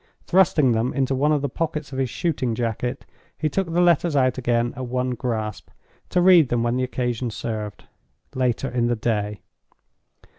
Thrusting them into one of the pockets of his shooting jacket, he took the letters out again, at one grasp, to read them when occasion served, later in the day.